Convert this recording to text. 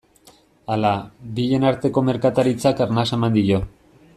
Hala, bien arteko merkataritzak arnasa eman dio.